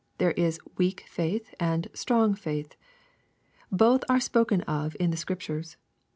There is "weak" faith and "strong" faith. Both are spoken of in the Scriptures.